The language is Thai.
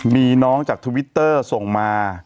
มีน้องจากทวิตเตอร์ส่งมา